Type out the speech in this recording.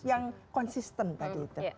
yang konsisten tadi itu